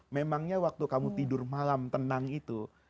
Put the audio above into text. memangnya waktu kamu tidur malam tenang itu